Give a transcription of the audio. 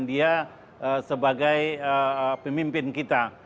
dia sebagai pemimpin kita